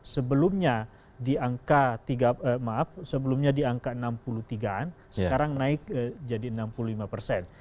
sebelumnya di angka enam puluh tiga an sekarang naik jadi enam puluh lima persen